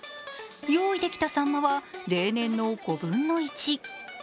用意できたさんまは例年の５分の１。